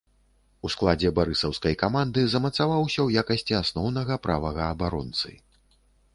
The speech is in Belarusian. У складзе барысаўскай каманды замацаваўся ў якасці асноўнага правага абаронцы.